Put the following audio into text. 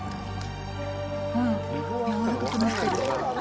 うん、やわらかくなってる。